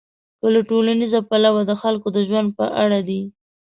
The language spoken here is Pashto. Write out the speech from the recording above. که له ټولنیز پلوه د خلکو د ژوند په اړه دي.